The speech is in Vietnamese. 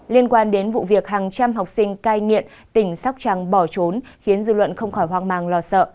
liên quan đến vụ việc hàng trăm học sinh cai nghiện tỉnh sóc trăng bỏ trốn khiến dư luận không khỏi hoang mang lo sợ